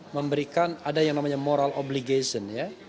memberikan ada yang namanya moral obligation ya